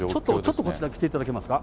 ちょっとこちらに来ていただけますか。